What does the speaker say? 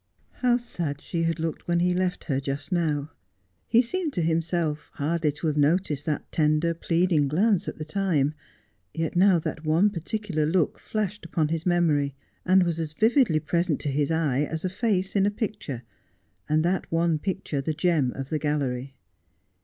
How sad she had looked when he left her just now. He seemed to himself hardly to have noticed that tender pleading glance at the time ; yet now that one particular look flashed upon his memory, and was as vividly present to his eye as a face in a picture, and that one picture the gem of the gallery.